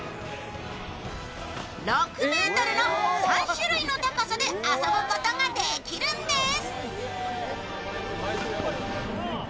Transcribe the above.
３種類の高さで遊ぶことができるんです。